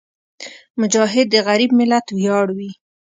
مجاهد د غریب ملت ویاړ وي.